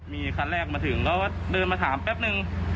มีคันแรกมาถึงก็เดินมาถามแป๊บนึง